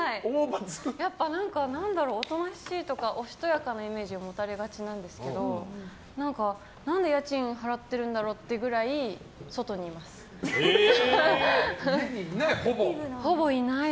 おとなしいとかおしとやかなイメージを持たれがちなんですけど何で家賃を払ってるんだろうってぐらい家にいない？